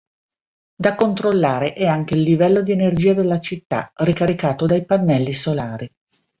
Da controllare è anche il livello di energia della città, ricaricato dai pannelli solari.